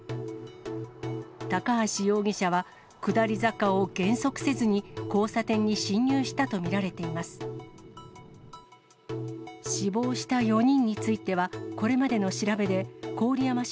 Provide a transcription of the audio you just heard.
高橋容疑者は、下り坂を減速せずに、交差点に進入したと見られています。